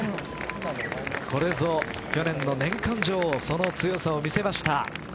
これぞ去年の年間女王その強さを見せました。